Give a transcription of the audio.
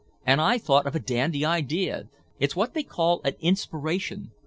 And I thought of a dandy idea, it's what they call an inspiration.